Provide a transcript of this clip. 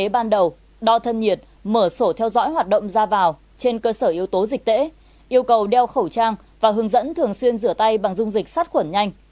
ban đầu đo thân nhiệt mở sổ theo dõi hoạt động ra vào trên cơ sở yếu tố dịch tễ yêu cầu đeo khẩu trang và hướng dẫn thường xuyên rửa tay bằng dung dịch sát khuẩn nhanh